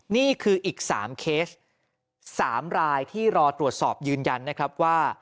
นี่คืออีก๓เคส๓รายที่รอตรวจสอบยืนยันนะครับว่า